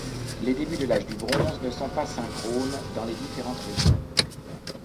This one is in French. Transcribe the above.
Les débuts de l'Âge du bronze ne sont pas synchrones dans les différentes régions.